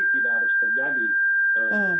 sehingga betul betul topeng muntuh